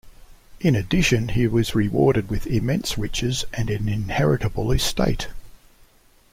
In addition, he was rewarded with immense riches and an inheritable estate.